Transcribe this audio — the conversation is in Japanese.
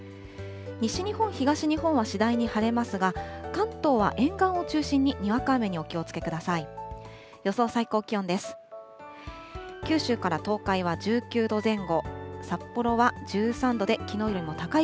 西日本、東日本は次第に晴れますが、関東は沿岸を中心に、にわか雨にお気をつけください。